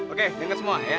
oke denger semua ya